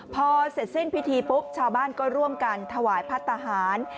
พอเสร็จสิ้นพิธีปุ๊บชาวบ้านก็ร่วมกันถวายพัฒนาหาร